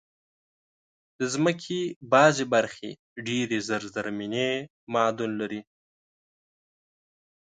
د مځکې بعضي برخې ډېر زېرزمینې معادن لري.